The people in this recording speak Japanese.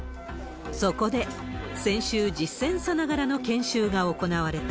そこで先週、実戦さながらの研修が行われた。